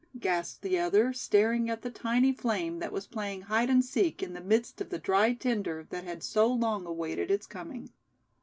gasped the other, staring at the tiny flame that was playing hide and seek in the midst of the dry tinder that had so long awaited its coming.